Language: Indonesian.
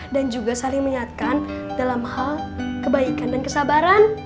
dan juga saling menyatakan dalam hal kebaikan dan kesabaran